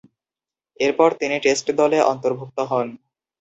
এরপর তিনি টেস্ট দলে অন্তর্ভুক্ত হন।